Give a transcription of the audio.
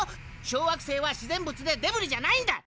小惑星は自然物でデブリじゃないんだ！